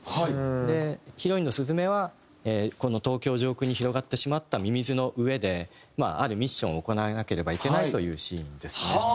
でヒロインの鈴芽はこの東京上空に広がってしまったミミズの上であるミッションを行わなければいけないというシーンですね。